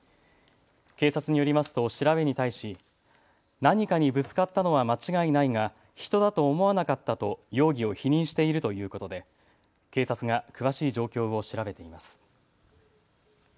警察によりますと調べに対し、何かにぶつかったのは間違いないが人だと思わなかったと容疑を否認しているということで警察が詳しい状況を調べています。